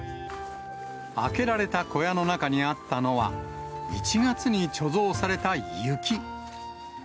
開けられた小屋の中にあったのは、１月に貯蔵された雪。